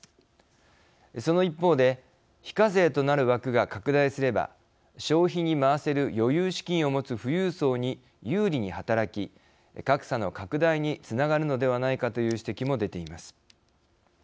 その一方で非課税となる枠が拡大すれば消費に回せる余裕資金を持つ富裕層に有利に働き格差の拡大につながるのではないかという指摘も出ています。